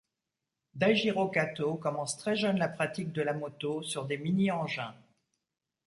Daijiro Kato commence très jeune la pratique de la moto sur des mini engins.